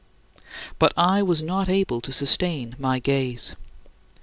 But I was not able to sustain my gaze.